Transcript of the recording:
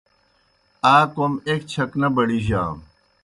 آ کوْم ایْک چھک نہ بڑِجانوْ۔